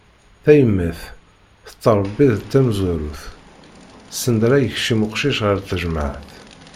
Tayemmat tettrebbi d tamezwarut, send ara yakcem uqcic ɣer tejmeɛt.